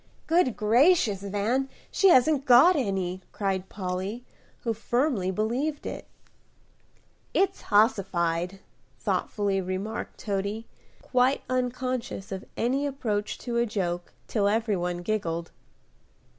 "Good gracious, Van, she hasn't got any," cried Polly, who firmly believed it. "It's hossified," thoughtfully remarked Toady, quite unconscious of any approach to a joke till every one giggled.